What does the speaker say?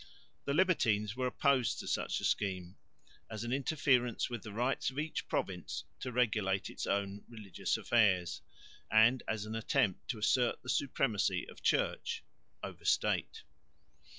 The Libertines were opposed to such a scheme, as an interference with the rights of each province to regulate its own religious affairs, and as an attempt to assert the supremacy of Church over State.